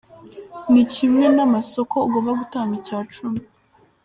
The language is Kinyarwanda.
Ni kimwe namasoko ugomba gutanga icyacumi.